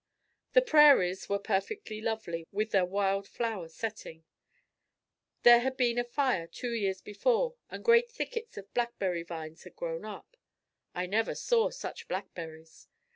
The prairies were perfectly lovely with their wild flower setting. There had been a fire two years before and great thickets of blackberry vines had grown up. I never saw such blackberries.